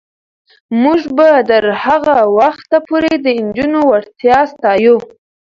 موږ به تر هغه وخته پورې د نجونو وړتیا ستایو.